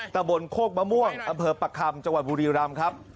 ตะบนโคกมะม่วงอำเภอปักคำจังหวัดบุรีรำครับ